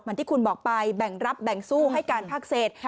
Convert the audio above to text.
เหมือนที่คุณบอกไปแบ่งรับแบ่งสู้ให้การทักเศษ